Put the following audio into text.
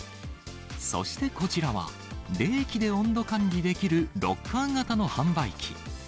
そしてこちらは、冷気で温度管理できるロッカー型の販売機。